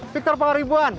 victor pangar ibuan